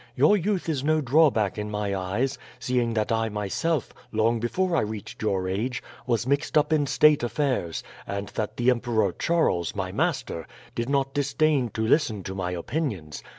Your youth is no drawback in my eyes, seeing that I myself, long before I reached your age, was mixed up in state affairs, and that the Emperor Charles, my master, did not disdain to listen to my opinions.